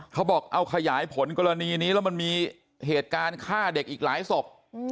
เขาบอกเอาขยายผลกรณีนี้แล้วมันมีเหตุการณ์ฆ่าเด็กอีกหลายศพ